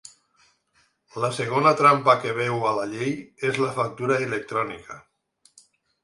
La segona trampa que veu a la llei és la factura electrònica.